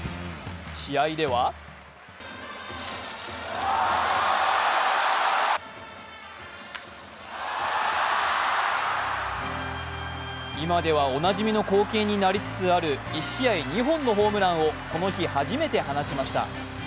試合では今ではおなじみの光景になりつつある１試合２本のホームランをこの日、初めて放ちました。